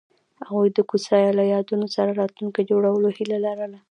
هغوی د کوڅه له یادونو سره راتلونکی جوړولو هیله لرله.